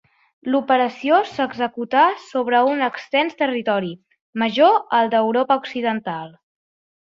L'operació s'executà sobre un extens territori, major al d'Europa occidental.